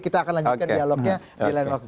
kita akan lanjutkan dialognya di lain waktu